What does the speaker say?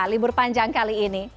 libur panjang kali ini